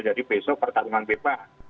jadi besok pertarungan beba